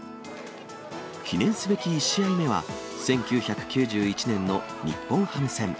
記念すべき１試合目は、１９９１年の日本ハム戦。